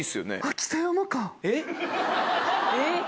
えっ？